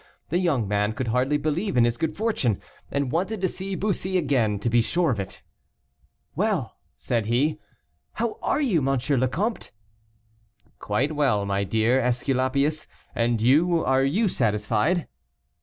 The young man could hardly believe in his good fortune, and wanted to see Bussy again to be sure of it. "Well!" said he, "how are you, M. le Comte?" "Quite well, my dear Esculapius; and you, are you satisfied?"